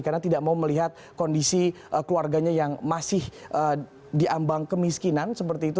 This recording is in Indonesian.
karena tidak mau melihat kondisi keluarganya yang masih diambang kemiskinan seperti itu